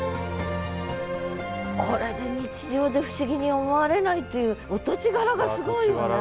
これで日常で不思議に思われないっていうお土地柄がすごいよね。